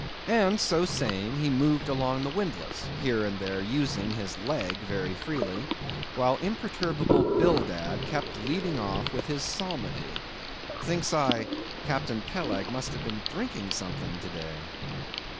And so saying, he moved along the windlass, here and there using his leg very freely, while imperturbable Bildad kept leading off with his psalmody. Thinks I, Captain Peleg must have been drinking something to day.